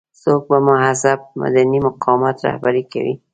څوک به مهذب مدني مقاومت رهبري کوي.